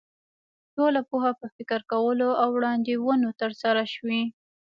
ټوله پوهه په فکر کولو او وړاندوینو تر لاسه شوې.